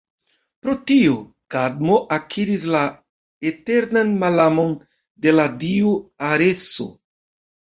Pro tio, Kadmo akiris la eternan malamon de la dio Areso.